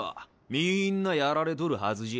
みんなやられとるはずじゃ。